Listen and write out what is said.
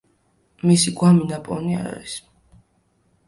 მისი გვამი ნაპოვნი არ არის.